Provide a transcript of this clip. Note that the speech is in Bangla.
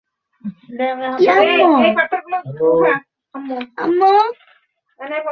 এখানকার কারো যুদ্ধের অভিজ্ঞতা আছে?